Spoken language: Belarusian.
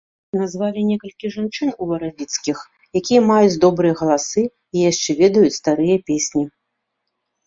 Назвалі некалькі жанчын уваравіцкіх, якія маюць добрыя галасы і яшчэ ведаюць старыя песні.